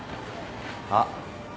あっ。